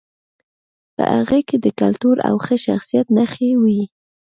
په هغې کې د کلتور او ښه شخصیت نښې وې